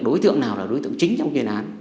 đối tượng nào là đối tượng chính trong kỳ nán